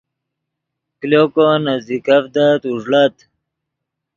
کلو کو نزیکڤدت اوݱڑت